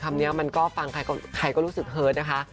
คำนี้มันก็ฟังใครก็รู้สึกเฮิร์ตนะคะ